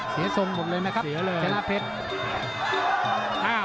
เสียทรงหมดเลยไหมครับเจ้าลาเพชร